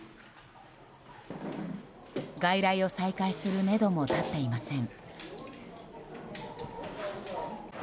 外来を再開するめども立っていません。